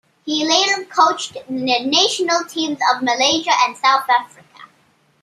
He later coached the national teams of Malaysia and South Africa.